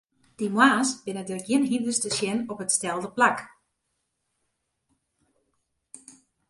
Dy moarns binne der gjin hynders te sjen op it stelde plak.